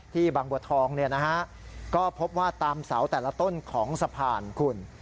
บางบัวทองก็พบว่าตามเสาแต่ละต้นของสะพานคุณ